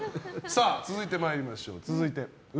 続いてまいりましょう。